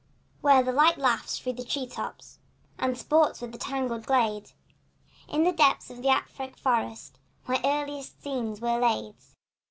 Where the light laughs in through the tree tops And sports with the tangled glade, In the depths of an Afric forest My earliest scenes were laid.